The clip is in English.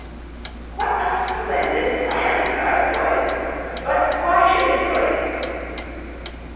"What a splendid plan!" cried the boys; "but why should it do it?"